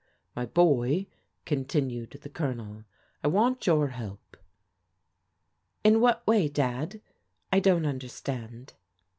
" My boy," continued the Colonel, " I want your help." " In what way. Dad? I don't understand."